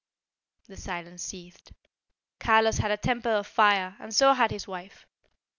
The silence seethed. Carlos had a temper of fire and so had his wife.